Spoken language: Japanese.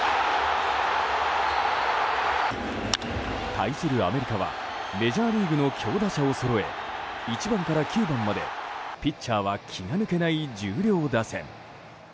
対するアメリカはメジャーリーグの強打者をそろえ１番から９番まで、ピッチャーは気が抜けない重量打線。